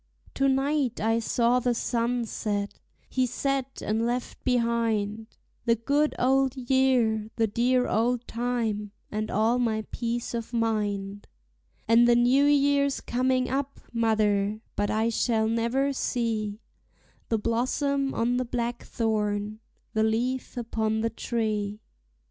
To night I saw the sun set, he set and left behind The good old year, the dear old time, and all my peace of mind; And the new year's coming up, mother; but I shall never see The blossom on the blackthorn, the leaf upon the tree.